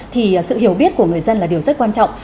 thì sự hiểu biết của người dân là điều rất quan trọng